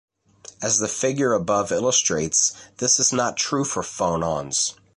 As the figure above illustrates, this is not true for phonons.